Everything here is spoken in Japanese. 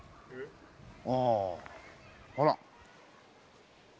ああほら。